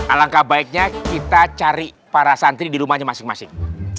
alangkah baiknya kita cari para santri di rumahnya masing masing